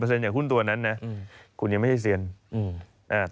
เปอร์เซ็นต์อย่างหุ้นตัวนั้นนะอืมคุณยังไม่ใช่เซียนอืมอ่า